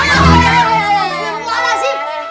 gak mau berpala sih